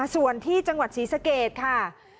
ส่วนที่จังหวัดศรีสะเกดค่ะ